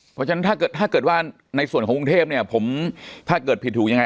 เพราะฉะนั้นถ้าเกิดว่าในส่วนของกรุงเทพเนี่ยผมถ้าเกิดผิดถูกยังไง